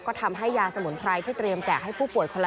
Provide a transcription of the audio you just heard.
ก็ทำให้ยาสมุนไพรที่เตรียมแจกให้ผู้ป่วยคนละ๑๐เมตรเนี่ย